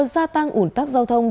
nguy cơ gia tăng ủn tắc giao thông